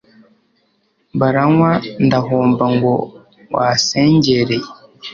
Baranywa ndahomba ngo wasengereye